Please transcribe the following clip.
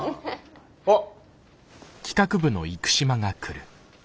あっ。